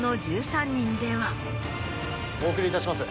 お送りいたします。